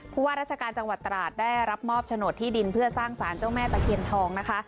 ว่าราชการจังหวัดตราดได้รับมอบโฉนดที่ดินเพื่อสร้างสารเจ้าแม่ตะเคียนทองนะคะ